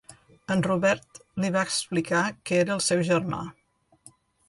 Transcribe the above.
En Robert li va explicar que era el seu germà.